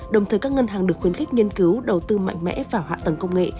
đồng thời các ngân hàng được khuyến khích nghiên cứu đầu tư mạnh mẽ vào hạ tầng công nghệ